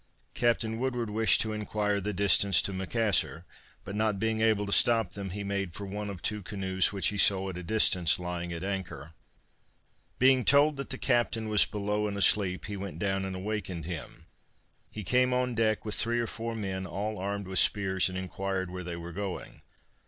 Captain Woodward wished to inquire the distance to Macassar, but not being able to stop them he made for one of two canoes which he saw at a distance lying at anchor. Being told that the captain was below and asleep he went down and awakened him. He came on deck with three or four men all armed with spears, and inquired where they were going.